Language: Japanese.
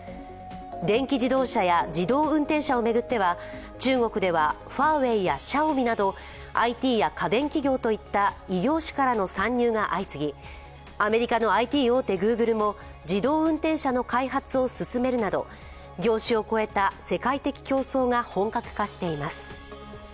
電気自動車や自動運転車を巡っては、中国ではファーウェイやシャオミなど、ＩＴや家電企業といった異業種からの参入が相次ぎ、アメリカのＩＴ大手グーグルも自動運転車の開発を進めるなど業種を超えた世界的競争が本格化しています。